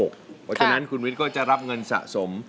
เพราะฉะนั้นคุณวิทย์ก็จะรับเงินสะสม